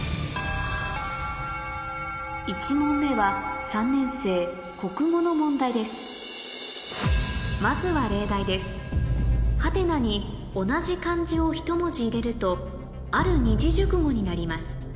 １問目はの問題ですまずは例題です「？」に同じ漢字をひと文字入れるとある二字熟語になります